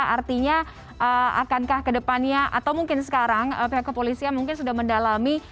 artinya akankah ke depannya atau mungkin sekarang pihak kepolisian mungkin sudah mendalami